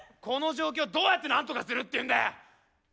この状況どうやってなんとかするっていうんだよ！